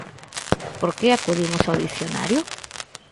Por que acudimos ao dicionario?